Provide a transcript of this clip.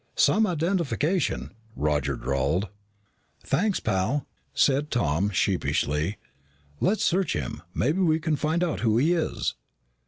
"Some identification," Roger drawled. "Thanks, pal," said Tom sheepishly. "Let's search him. Maybe we can find out who he is."